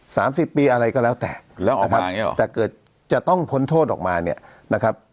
สามสิบปีอะไรก็แล้วแต่แล้วออกมาอย่างเงี้ยหรอแต่เกิดจะต้องพ้นโทษออกมาเนี้ยนะครับ